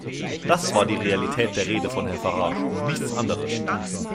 Das war die Realität der Rede von Herrn Farage und nichts anderes!